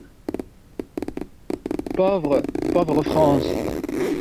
Pauvre, pauvre France!